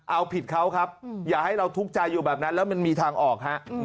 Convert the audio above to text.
เอาผิดเขาครับอย่าให้เราทุกข์ใจอยู่แบบนั้นแล้วมันมีทางออกฮะ